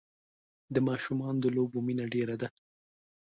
د ماشومان د لوبو مینه ډېره ده.